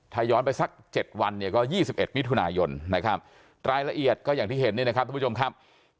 ถ้าย้อนไปสัก๗วันเนี่ยก็๒๑มิถุนายนนะครับรายละเอียดก็อย่างที่เห็นนี่นะครับทุกผู้ชมครับ